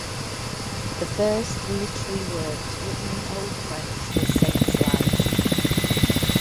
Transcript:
The first literary works written in Old French were saints' lives.